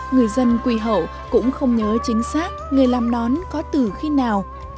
người dân quy hầu cũng không nhớ chính xác người làm nón có từ khi nào